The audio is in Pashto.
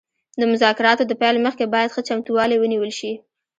د مذاکراتو د پیل مخکې باید ښه چمتووالی ونیول شي